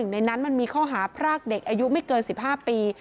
ในนั้นมันมีข้อหาพรากเด็กอายุไม่เกิน๑๕ปี